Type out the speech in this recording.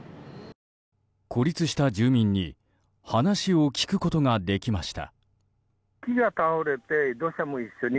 孤立した住民に話を聞くことができました。